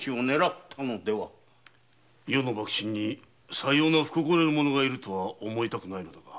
余の幕臣にさような不心得者がいるとは思いたくはないが。